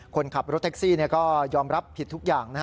คนขับรถแท็กซี่ก็ยอมรับผิดทุกอย่าง